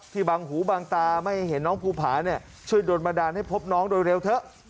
บางหูบางตาไม่เห็นน้องภูผาช่วยโดนบันดาลให้พบน้องโดยเร็วเถอะ